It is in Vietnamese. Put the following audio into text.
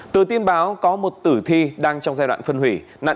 từ tin báo có một tử thi đang trong giai đoạn phân hủy